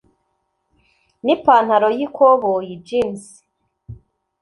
n’ipantaro y’ikoboyi [jeans].